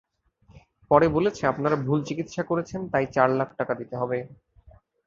পরে বলেছে, আপনারা ভুল চিকিৎসা করেছেন, তাই চার লাখ টাকা দিতে হবে।